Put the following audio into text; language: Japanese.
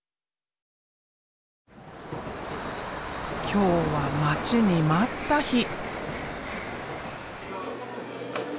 今日は待ちに待った日。